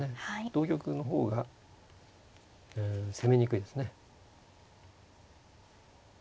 同玉の方が攻めにくいですね。